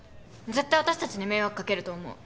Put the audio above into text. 絶対私たちに迷惑かけると思う。